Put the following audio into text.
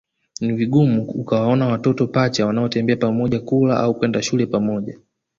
Ni vigumu ukawaona watoto pacha wanaotembea pamoja kula au kwenda shule pamoja